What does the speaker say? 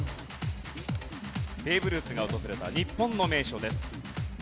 ベーブ・ルースが訪れた日本の名所です。